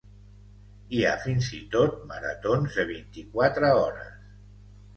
Hi ha fins i tot maratons de vint-i-quatre hores.